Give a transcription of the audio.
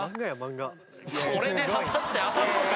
これで果たして当たるのか？